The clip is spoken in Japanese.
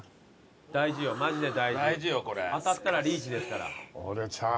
当たったらリーチですから。